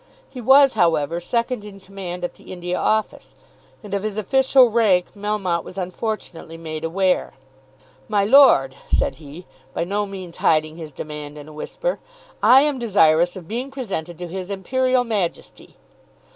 He was, however, second in command at the India Office, and of his official rank Melmotte was unfortunately made aware. "My Lord," said he, by no means hiding his demand in a whisper, "I am desirous of being presented to his Imperial Majesty."